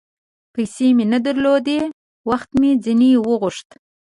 پیسې مې نه درلودې ، وخت مې ځیني وغوښت